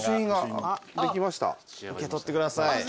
受け取ってください。